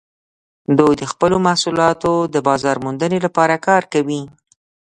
دوی د خپلو محصولاتو د بازارموندنې لپاره کار کوي